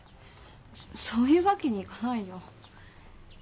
そういうわけにいかないよ。